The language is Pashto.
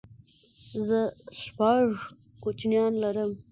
زه شپږ کوچنيان لرم